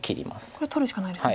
これ取るしかないですね。